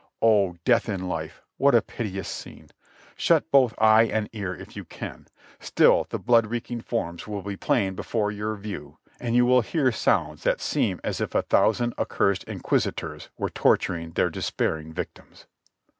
Oh death in life! what a piteous scene! shut both eye and ear if you can, still the blood reeking forms will be plain before your view and you will hear sounds that seem as if a thousand accursed "Inquisitors" were torturing their despairing victims.